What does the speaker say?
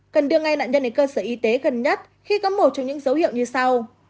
cần đưa ngay nạn nhân đến cơ sở y tế gần nhất khi có một trong những dấu hiệu như sau